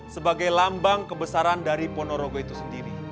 sebagai lambang kebesaran dari pono rogo itu sendiri